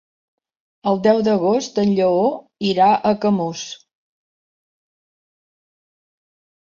El deu d'agost en Lleó irà a Camós.